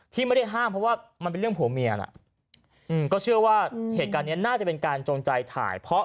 ที่เดินด้านคือคุณพ่อนั่นไหมน่า